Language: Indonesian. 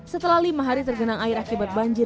setelah lima hari tergenang air akibat banjir